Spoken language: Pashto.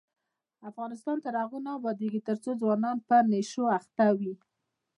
افغانستان تر هغو نه ابادیږي، ترڅو ځوانان په نشو اخته وي.